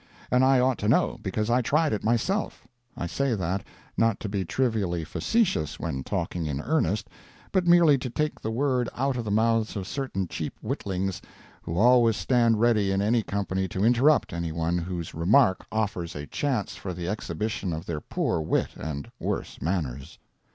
And I ought to know, because I tried it myself [I say that, not to be trivially facetious when talking in earnest, but merely to take the word out of the mouths of certain cheap witlings, who always stand ready in any company to interrupt anyone whose remarks offer a chance for the exhibition of their poor wit and worse manners.